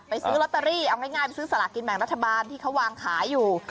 ซื้อลอตเตอรี่เอาง่ายไปซื้อสลากินแบ่งรัฐบาลที่เขาวางขายอยู่